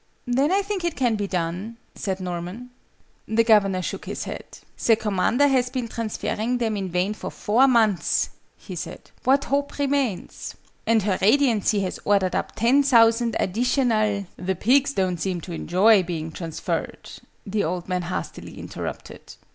"Then I think it can be done," said Norman. The Governor shook his head. "The Commander has been transferring them in vain for four months," he said. "What hope remains? And Her Radiancy has ordered up ten thousand additional " "The pigs don't seem to enjoy being transferred," the old man hastily interrupted.